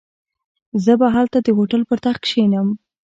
زه به هلته د هوټل پر تخت کښېنم.